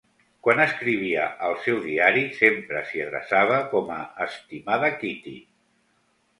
Quan escrivia al seu diari, sempre s'hi adreçava com a "Estimada Kitty".